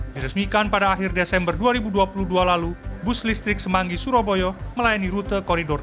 diresmikan pada akhir desember dua ribu dua puluh dua lalu bus listrik semanggi surabaya melayani rute koridor tiga